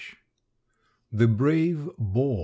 _ THE BRAVE BOAR.